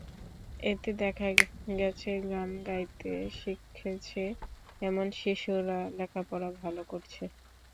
এতে দেখা গেছে গান গাইতে শিখেছে এমন শিশুরা লেখাপড়ায় ভালো করছে।